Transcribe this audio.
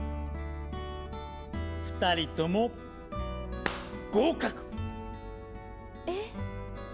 ２人とも合格！え。